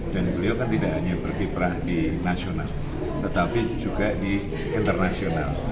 dan beliau kan tidak hanya berkiprah di nasional tetapi juga di internasional